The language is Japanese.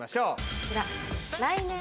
こちら。